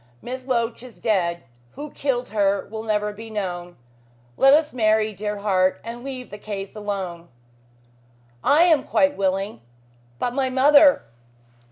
Miss Loach is dead. Who killed her will never be known. Let us marry, dear heart, and leave the case alone." "I am quite willing. But my mother?"